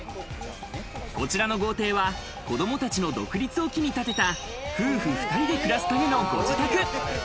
こちらの豪邸は子供たちの独立を機に建てた、夫婦２人で暮らすためのご自宅。